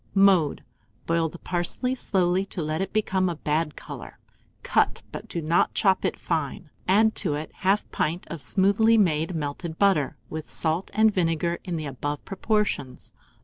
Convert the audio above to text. Mode. Boil the parsley slowly to let it become a bad colour; cut, but do not chop it fine. Add it to 1/2 pint of smoothly made melted butter, with salt and vinegar in the above proportions.